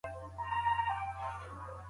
پخواني اصول څنګه پاته دي؟